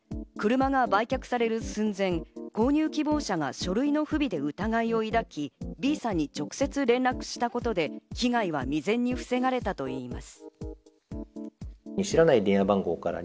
車が売却される寸前、購入希望者が書類の不備で疑いを抱き、Ｂさんに直接連絡したことで被害は未然に防がれたといいます。